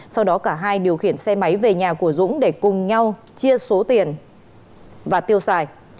sau đó cả hai điều khiển xe máy về nhà của dũng để cùng nhau chia số tiền và tiêu xài